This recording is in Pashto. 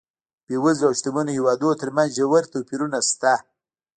د بېوزلو او شتمنو هېوادونو ترمنځ ژور توپیرونه شته.